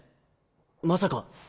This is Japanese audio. まさか。